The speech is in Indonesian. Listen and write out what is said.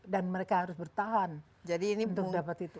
dan mereka harus bertahan untuk dapat itu